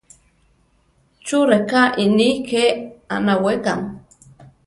¿Chú rʼeká iʼní ké anaweka?